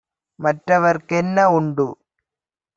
மற்றவர்க் கென்னஉண்டு?